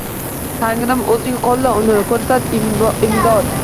Tangrim, oʼzing qoʼlla uni, koʼrsat imdod.